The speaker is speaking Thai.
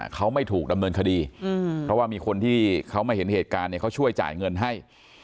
เขาไม่ถูกดำเนินคดีเพราะว่ามีคนที่เขามาเห็นเหตุการณ์เนี่ยเขาช่วยจ่ายเงินให้